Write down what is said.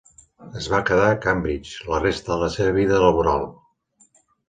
Es va quedar a Cambridge la resta de la seva vida laboral.